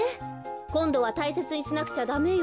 こんどはたいせつにしなくちゃダメよ。